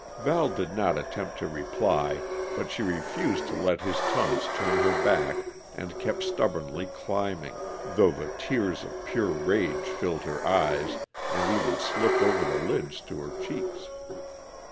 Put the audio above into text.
Val did not attempt to reply, but she refused to let his taunts turn her back, and kept stubbornly climbing, though tears of pure rage filled her eyes and even slipped over the lids to her cheeks.